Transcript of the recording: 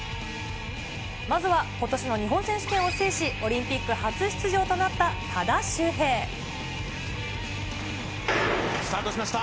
まずはことしの日本選手権を制し、オリンピック初出場となった多田スタートしました。